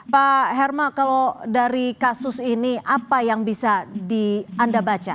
pak herma kalau dari kasus ini apa yang bisa anda baca